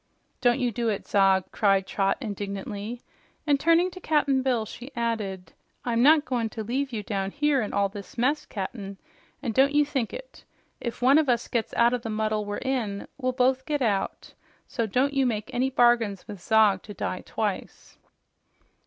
"Don't you do it, Zog!" cried Trot indignantly, and turning to Cap'n Bill, she added, "I'm not goin' to leave you down here in all this mess, Cap'n, and don't you think it. If one of us gets out of the muddle we're in, we'll both get out, so don't you make any bargains with Zog to die twice."